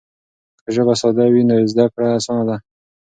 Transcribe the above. که ژبه ساده وي نو زده کړه اسانه ده.